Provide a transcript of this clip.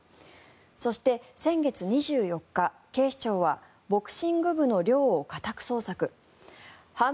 そして先月２４日、警視庁はボクシング部の寮を家宅捜索。